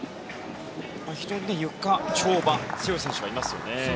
非常にゆか、跳馬に強い選手がいますね。